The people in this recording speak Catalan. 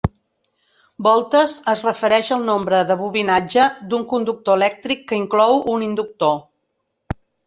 "Voltes" es refereix al nombre de bobinatge d'un conductor elèctric que inclou un inductor.